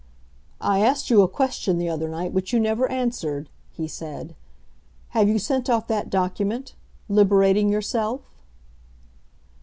"I asked you a question the other night which you never answered," he said. "Have you sent off that document—liberating yourself?"